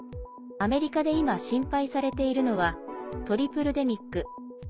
アメリカで今、心配されているのはトリプルデミック。